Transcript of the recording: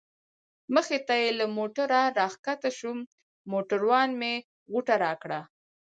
مخې ته یې له موټره را کښته شوم، موټروان مې غوټه راکړه.